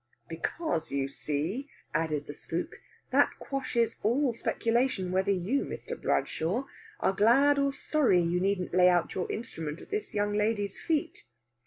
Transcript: "Because, you see," added the spook, "that quashes all speculation whether you, Mr. Bradshaw, are glad or sorry you needn't lay your instrument at this young lady's feet.